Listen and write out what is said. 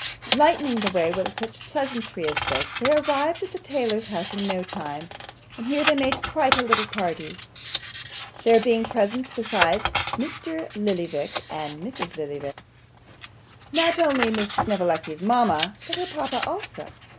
Lightening the way with such pleasantry as this, they arrived at the tailor's house in no time; and here they made quite a little party, there being present besides Mr. Lillyvick and Mrs. Lillyvick, not only Miss Snevellicci's mama, but her papa also.